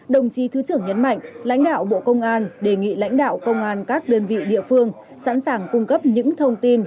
đồng chí thứ trưởng nhấn mạnh lãnh đạo bộ công an đề nghị lãnh đạo công an các đơn vị địa phương sẵn sàng cung cấp những thông tin